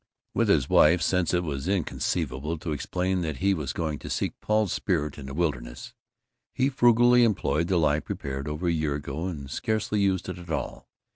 With his wife, since it was inconceivable to explain that he was going to seek Paul's spirit in the wilderness, he frugally employed the lie prepared over a year ago and scarcely used at all.